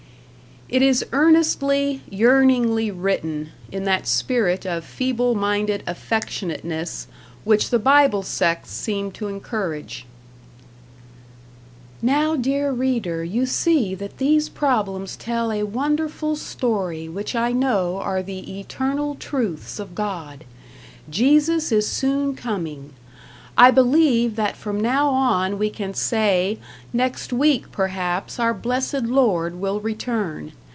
It is earnestly, yearningly written, in that spirit of feeble minded affectionateness which the Bible sects seem to encourage: Now dear reader you see that these problems tell a wonderful story which I know are the Eternal Truths of God. Jesus is soon coming. I believe that from now on we can say, next; week perhaps our blessed Lord will return.